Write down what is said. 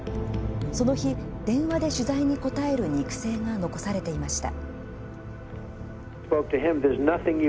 その日、電話で取材に答える肉声が残されていました。